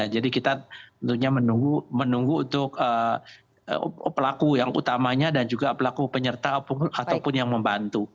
jadi kita tentunya menunggu untuk pelaku yang utamanya dan juga pelaku penyerta ataupun yang membantu